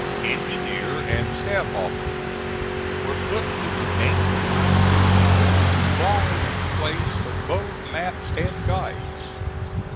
Engineer and staff officers were put to the dangerous duty of supplying the place of both maps and guides.